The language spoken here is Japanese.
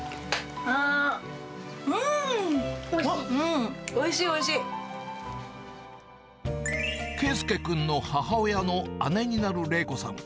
あーん、うん、おいしい、佳祐君の母親の姉になる玲子さん。